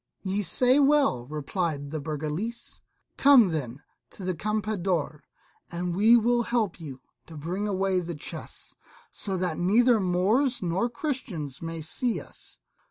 "Ye say well," replied the Burgalese: "come then to the Campeador, and we will help you to bring away the chests, so that neither Moors nor Christians may see us."